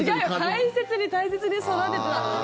大切に大切に育ててたのに。